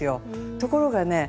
ところがね